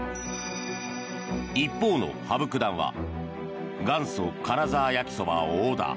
一方の羽生九段は元祖金澤焼きそばをオーダー。